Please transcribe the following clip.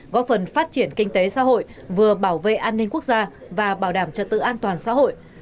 góp phần phát triển kinh tế xã hội vừa bảo vệ an ninh quốc gia và bảo đảm trật tự an toàn xã hội